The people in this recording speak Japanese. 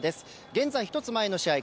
現在、１つ前の試合